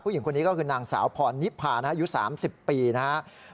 ผู้หญิงคนนี้ก็คือนางสาวพอนิภานะครับอยู่๓๐ปีนะครับ